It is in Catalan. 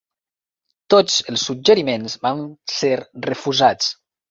Tots els suggeriments van ser refusats.